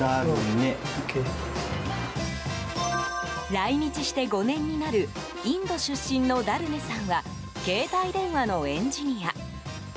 来日して５年になるインド出身のダルネさんは携帯電話のエンジニア。